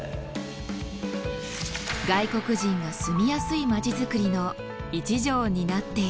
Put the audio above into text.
外国人が住みやすい街づくりの一助を担っている。